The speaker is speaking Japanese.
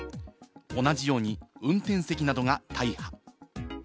同じように運転席などが大破。